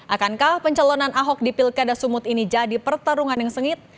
akankah pencalonan ahok di pilkada sumut ini jadi pertarungan yang sengit